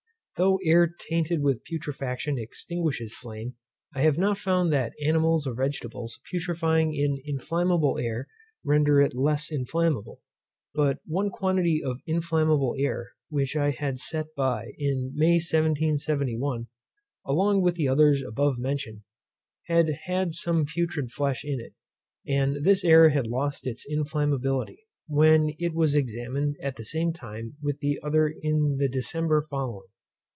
Though air tainted with putrefaction extinguishes flame, I have not found that animals or vegetables putrefying in inflammable air render it less inflammable. But one quantity of inflammable air, which I had set by in May 1771, along with the others above mentioned, had had some putrid flesh in it; and this air had lost its inflammability, when it was examined at the same time with the other in the December following.